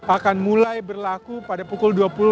akan mulai berlaku pada pukul dua puluh